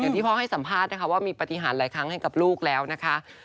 ที่พ่อให้สัมภาษณ์นะคะว่ามีปฏิหารหลายครั้งให้กับลูกแล้วนะคะ